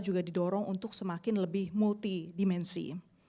juga didorong untuk semakin lebih multi dimensi